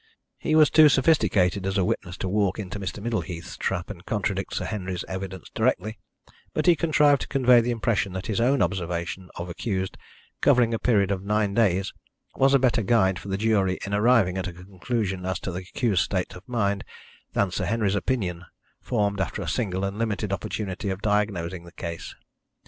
He was too sophisticated as a witness to walk into Mr. Middleheath's trap and contradict Sir Henry's evidence directly, but he contrived to convey the impression that his own observation of accused, covering a period of nine days, was a better guide for the jury in arriving at a conclusion as to the accused's state of mind than Sir Henry's opinion, formed after a single and limited opportunity of diagnosing the case.